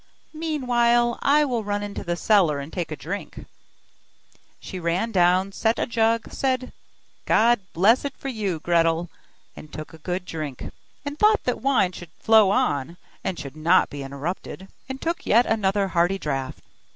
Meanwhile, I will run into the cellar, and take a drink.' She ran down, set a jug, said: 'God bless it for you, Gretel,' and took a good drink, and thought that wine should flow on, and should not be interrupted, and took yet another hearty draught.